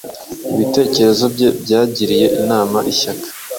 ibitekerezo bye byagiriye Imana ishyaka